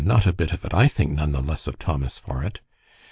"Not a bit of it! I think none the less of Thomas for it."